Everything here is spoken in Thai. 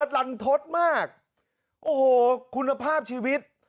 ลันทศมากโอ้โหคุณภาพชีวิต